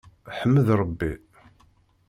Ḥmed Rebbi.